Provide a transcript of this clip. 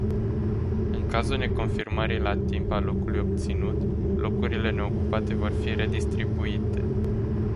În cazul neconfirmării la timp a locului obținut, locurile neocupate vor fi redistribuite.